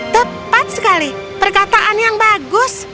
tepat sekali perkataan yang bagus